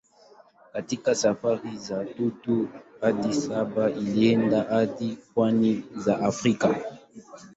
Katika safari za tatu hadi saba aliendelea hadi pwani za Afrika.